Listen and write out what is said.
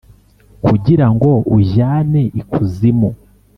'kugirango ujyane ikuzimu